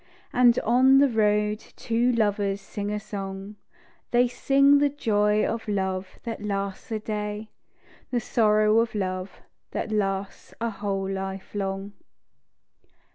And on the road two lovers sing a song: They sing the joy of love that lasts a day: The sorrow of love that lasts a whole life long.